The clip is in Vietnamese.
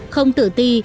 không tự ti